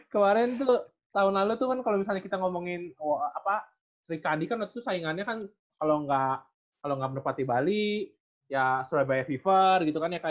kemarin tuh tahun lalu tuh kan kalau misalnya kita ngomongin sri kandi kan waktu itu saingannya kan kalau nggak merpati bali ya surabaya fever gitu kan ya kan